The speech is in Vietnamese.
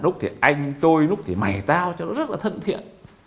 nút thì anh tôi nút thì mày tao cho nó rất là thân thiện